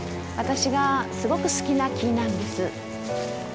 私がすごく好きな木なんです。